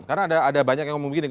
karena ada banyak yang ngomong begini